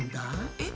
えっ？